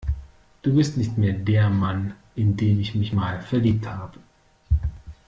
Du bist nicht mehr der Mann, in den ich mich mal verliebt habe.